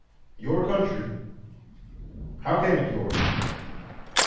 Your country? How came it yours?